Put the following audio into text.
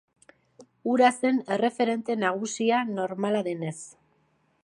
Hura zen erreferente nagusia, normala denez.